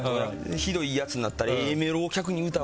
ひどいやつになったら。